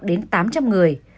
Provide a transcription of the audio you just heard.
đến tám trăm linh người